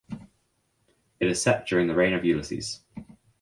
It is set during the reign of Ulysses.